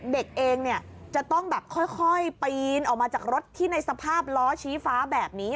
เด็กเองจะต้องแบบค่อยปีนออกมาจากรถที่ในสภาพล้อชี้ฟ้าแบบนี้